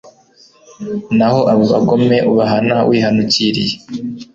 naho abo bagome ubahana wihanukiriye